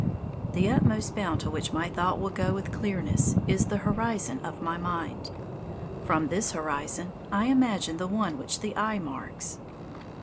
The utmost bound to which my thought will go with clearness is the horizon of my mind. From this horizon I imagine the one which the eye marks.